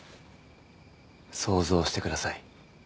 想像してください